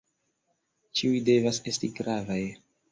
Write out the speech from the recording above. Ĉiuj devas esti gravaj.